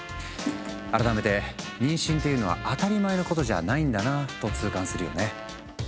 改めて妊娠っていうのは当たり前のことじゃないんだなと痛感するよね。